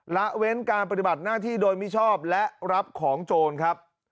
ละเว้นการปฏิบัติหน้าที่โดยมิชอบและรับของโจรครับ